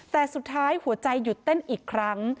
แต่สุดท้ายหัวใจหยุดเต้นอีกครั้ง